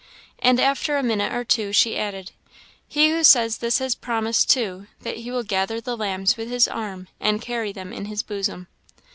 " And after a minute or two, she added, "He who says this has promised, too, that he will 'gather the lambs with his arm, and carry them in his bosom.'